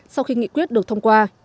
sau khi nghị quyết được thông qua